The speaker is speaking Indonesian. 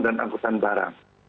dan angkatkan barang